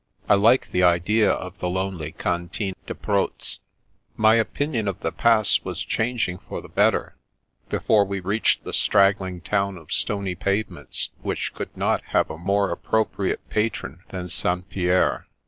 I like the idea of the lonely Cantine de Proz." My opinion of the Pass was changing for the better, before we reached the straggling town of stony pavements, which could not have a more appropriate patron than St. Pierre.